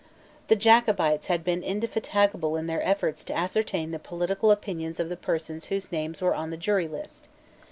The Jacobites had been indefatigable in their efforts to ascertain the political opinions of the persons whose names were on the jury list.